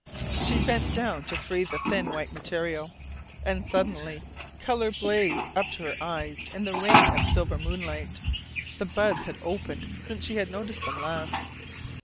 She bent down to free the thin white material; and suddenly colour blazed up to her eyes in the rain of silver moonlight. The buds had opened since she noticed them last.